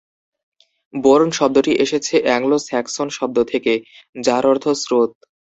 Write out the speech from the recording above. Born শব্দটি এসেছে Anglo-Saxon শব্দ থেকে, যার অর্থ স্রোত।